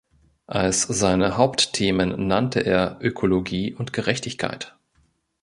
Als seine Hauptthemen nannte er Ökologie und Gerechtigkeit.